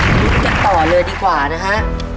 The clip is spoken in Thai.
เรียกต่อเลยดีกว่านะฮะ